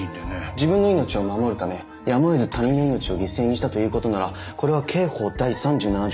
自分の命を守るためやむをえず他人の命を犠牲にしたということならこれは刑法第３７条